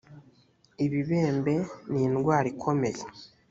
ibibembe nirwara ikomeye.